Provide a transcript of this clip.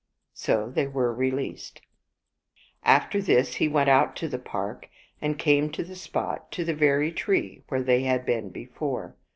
So they were released. After this he went out to the park, and came to the spot, to the very tree, where they had been before.